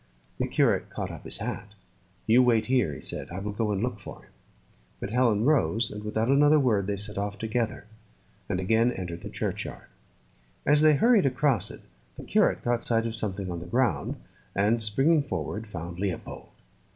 The curate caught up his hat. "You wait here," he said. "I will go and look for him." But Helen rose, and, without another word, they set off together, and again entered the churchyard. As they hurried across it, the curate caught sight of something on the ground, and, springing forward, found Leopold.